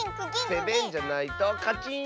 セベンじゃないとカチン！